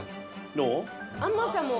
どう？